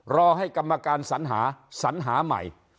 รอให้กรรมการสัญหาสัญหาใหม่